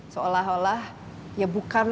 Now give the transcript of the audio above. seolah olah ya bukan